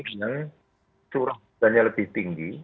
surat hujan hujannya lebih tinggi